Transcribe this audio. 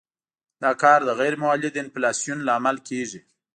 دا کار د غیر مولد انفلاسیون لامل کیږي.